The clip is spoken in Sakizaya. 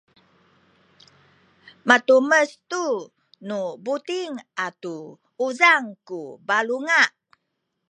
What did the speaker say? matumes tu nu buting atu uzang ku balunga